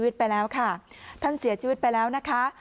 ท่านเสียชีวิตไปแล้วค่ะ